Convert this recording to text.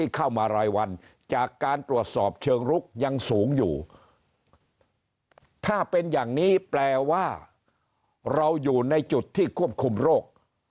เข้ามารายวันจากการตรวจสอบเชิงลุกยังสูงอยู่ถ้าเป็นอย่างนี้แปลว่าเราอยู่ในจุดที่ควบคุมโรค